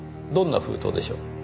どんな封筒でしょう？